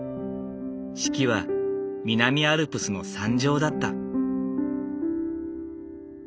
式は南アルプスの山上だった。